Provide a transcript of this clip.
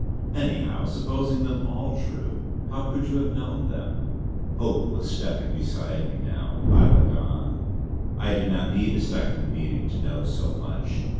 Anyhow, supposing them all true, how could you have known them?" Hope was stepping beside me now. I went on: "I did not need a second meeting to know so much.